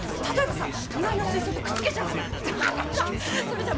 例えばさ隣の水槽とくっつけちゃうとか。